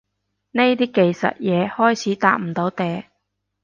呢啲技術嘢開始搭唔到嗲